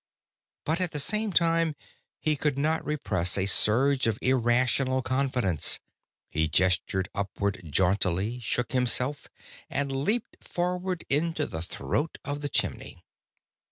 But at the same time he could not repress a surge of irrational confidence. He gestured upward jauntily, shook himself, and loped forward into the throat of the chimney.